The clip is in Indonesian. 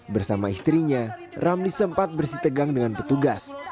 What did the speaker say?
bersama istrinya ramli sempat bersitegang dengan petugas